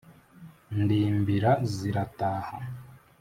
ndimbira zirataha